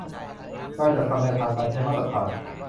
และจัดทำแนวทางการใช้มาตรฐาน